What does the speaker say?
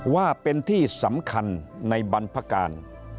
ว่าเป็นที่สำคัญในบรรพการ